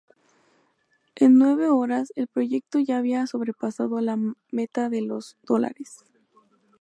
En nueve horas, el proyecto ya había sobrepasado la meta de los de dolares.